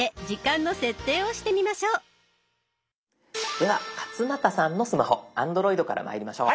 では勝俣さんのスマホＡｎｄｒｏｉｄからまいりましょう。